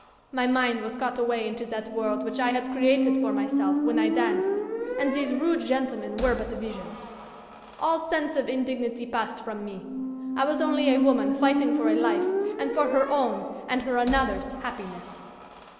My mind was caught away into that world which I had created for myself when I danced, and these rude gentlemen were but visions. All sense of indignity passed from me. I was only a woman fighting for a life and for her own and her another's happiness.